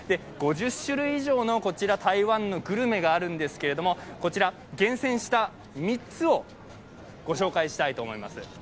５０種類以上の台湾のグルメがあるんですけれどもこちら、厳選した３つをご紹介したいと思います。